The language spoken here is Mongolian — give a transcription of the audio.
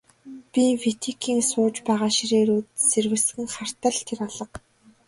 Би Витекийн сууж байгаа ширээ рүү зэрвэсхэн хартал тэр алга.